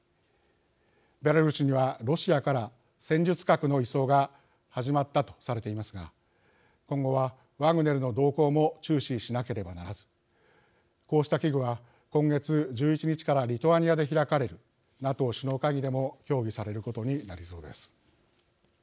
ベラルーシにはロシアから戦術核の移送が始まったとされていますが今後はワグネルの動向も注視しなければならずこうした危惧は今月１１日からリトアニアで開かれるＮＡＴＯ首脳会議でも協議されることになりそうです。